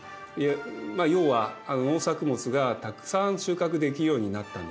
要は農作物がたくさん収穫できるようになったんですね。